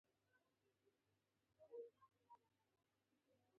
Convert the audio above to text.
تاریخ د افغانستان د چاپیریال ساتنې لپاره ډېر مهم او اړین ارزښت لري.